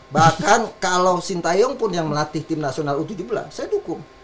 bahkan kalau sintayong pun yang melatih tim nasional u tujuh belas saya dukung